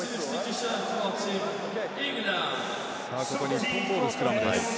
日本ボール、スクラムです。